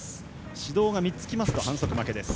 指導が３つきますと反則負けです。